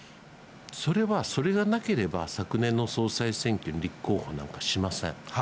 それは、それがなければ、昨年の総裁選挙に立候補なんかしません。